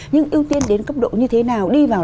nhưng ưu tiên đến cấp độ như thế nào đi vào